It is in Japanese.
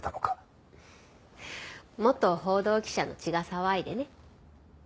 元報道記者の血が騒いでね。